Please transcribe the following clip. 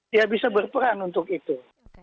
dia bisa berperan untuk itu